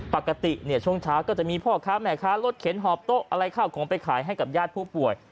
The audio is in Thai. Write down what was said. ปกติเนี่ยช่วงเช้าก็จะมีพ่อค้าแม่ค้ารถเข็นหอบโต๊ะอะไรข้าวของไปขายให้กับญาติผู้ป่วย